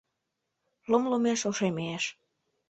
Лум лумеш — ошемеш.